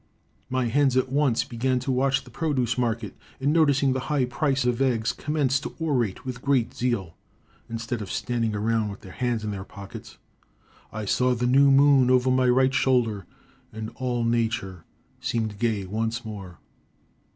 My hens at once began to watch the produce market, and, noticing the high price of eggs, commenced to orate with great zeal instead of standing around with their hands in their pockets. I saw the new moon over my right shoulder, and all nature seemed gay once more.